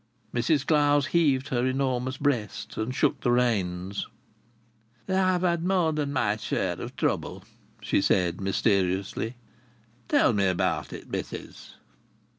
Mrs Clowes heaved her enormous breast and shook the reins. "I've had my share of trouble," she remarked mysteriously. "Tell me about it, missis!"